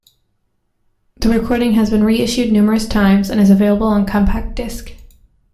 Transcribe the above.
The recording has been reissued numerous times, and is available on compact disc.